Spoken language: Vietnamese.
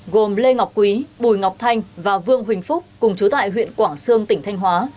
gồm lê ngọc quý bùi ngọc thanh và vương huỳnh phúc cùng chú tại huyện quảng sương tỉnh thanh hóa